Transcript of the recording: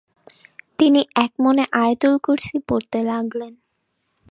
তিনি একমনে আয়াতুল কুরসি পড়তে লাগলেন।